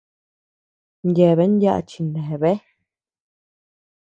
Yeabean yaʼa chineabea.